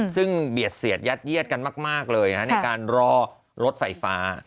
ซึ่งเบียดเสียดยัดเยียดกันมากเลยในการรอรถไฟฟ้า